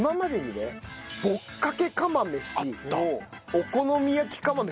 お好み焼き釜飯。